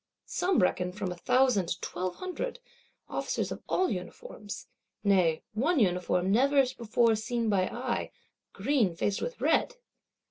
Some reckon "from a thousand to twelve hundred." Officers of all uniforms; nay one uniform never before seen by eye: green faced with red!